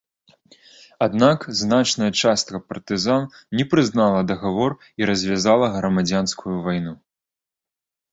Аднак, значная частка партызан не прызнала дагавор і развязала грамадзянскую вайну.